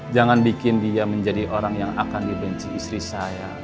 jangan bikin dia menjadi orang yang akan dibenci istri saya